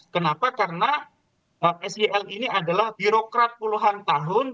kenapa karena sel ini adalah birokrat puluhan tahun